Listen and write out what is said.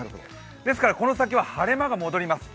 ですからこの先は晴れ間が戻ります。